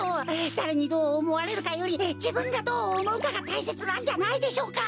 だれにどうおもわれるかよりじぶんがどうおもうかがたいせつなんじゃないでしょうか？